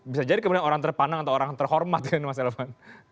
bisa jadi kemudian orang terpandang atau orang terhormat ini mas elvan